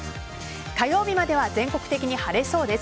火曜日までは全国的に晴れそうです。